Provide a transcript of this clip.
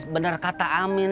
bener kata amin